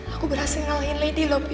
aku berhasil ngalahin lady lho papi